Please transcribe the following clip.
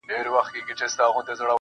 • ژوند دي له اوره په لمبه ویاړې -